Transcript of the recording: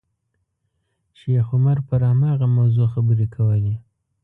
شیخ عمر پر هماغه موضوع خبرې کولې.